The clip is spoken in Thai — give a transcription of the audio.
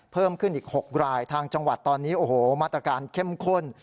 เพิ่มขึ้นอีก๖รายทางจังหวัดตอนนี้โอ้โหมาตรการเข้มข้น